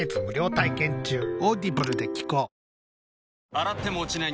洗っても落ちない